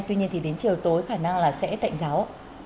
tuy nhiên thì đến chiều tối khả năng là sẽ tạnh giáo